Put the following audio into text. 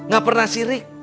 gak pernah sirik